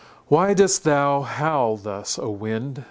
Why dost thou howl thus, O wind?